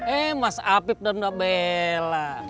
eh mas apib dan mbak bella